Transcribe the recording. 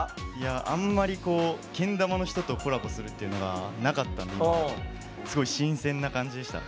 あんまり、けん玉の人とコラボするっていうのがなかったのですごい新鮮な感じでした。